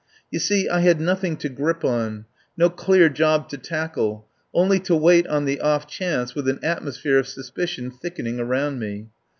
You see, I had nothing to grip on, no clear job to tackle, only to wait on the off chance, with an atmosphere of suspicion thickening around me.